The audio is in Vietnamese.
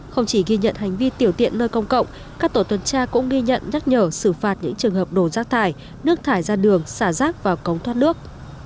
không chỉ ghi nhận hành vi tiểu tiện nơi công cộng các tổ tuần tra cũng ghi nhận nhắc nhở xử phạt những trường hợp đổ rác thải nước thải ra đường xả rác vào cống thoát nước